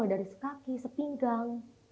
dari sekaki sepinggang